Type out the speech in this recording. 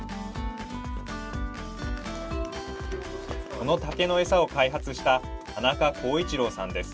この竹のエサを開発した田中浩一郎さんです。